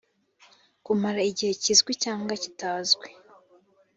kumara igihe kizwi cyangwa kitazwi